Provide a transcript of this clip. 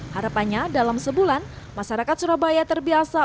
harapannya dalam sebulan masyarakat surabaya terbiasa